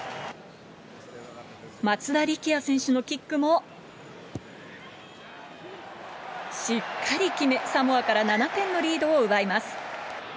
松田力也選手のキックもしっかり決め、サモアから７点のリードを奪います。